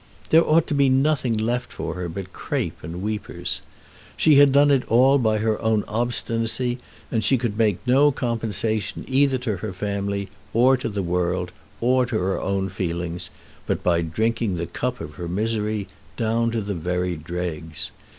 There ought to be nothing left for her but crape and weepers. She had done it all by her own obstinacy, and she could make no compensation either to her family, or to the world, or to her own feelings, but by drinking the cup of her misery down to the very dregs.